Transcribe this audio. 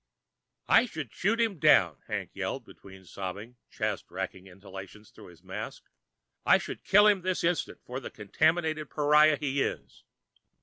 "I should shoot him down!" Hank yelled, between sobbing, chest racking inhalations through the mask. "I should kill him this instant for the contaminated pariah he is!"